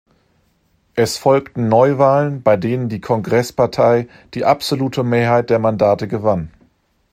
Es folgten Neuwahlen, bei denen die Kongresspartei die absolute Mehrheit der Mandate gewann.